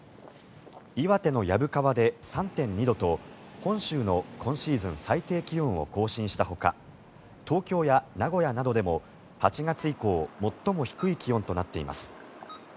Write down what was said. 岩手の薮川で３．２度と本州の今シーズン最低気温を更新したほか東京や名古屋などでも８月以降最も低い気温となっています。